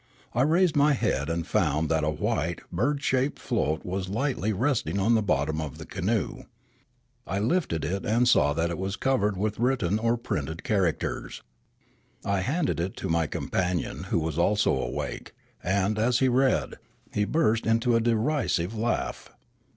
I raised my head and found that a white, bird shaped float was lightly resting on the bottom of the canoe. I lifted it and saw that it was covered with written or printed characters. I handed it to my companion, who was also awake, and, as he read, he burst into a derisive laugh.